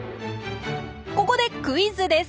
ここでクイズです。